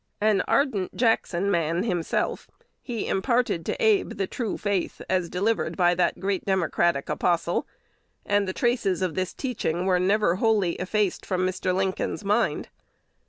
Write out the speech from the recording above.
An ardent Jackson man himself, he imparted to Abe the true faith, as delivered by that great democratic apostle; and the traces of this teaching were never wholly effaced from Mr. Lincoln's mind.